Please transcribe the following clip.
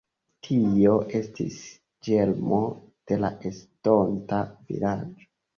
Tio estis ĝermo de la estonta vilaĝo.